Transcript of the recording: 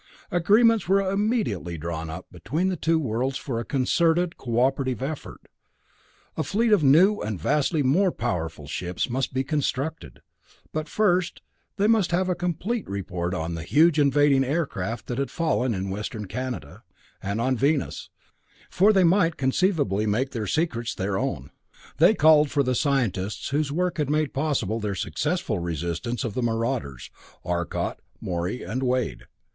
Agreements were immediately drawn up between the two worlds for a concerted, cooperative effort. A fleet of new and vastly more powerful ships must be constructed but first they must have a complete report on the huge invading craft that had fallen in western Canada, and on Venus, for they might conceivably make their secrets their own. They called for the scientists whose work had made possible their successful resistance of the marauders: Arcot, Morey and Wade.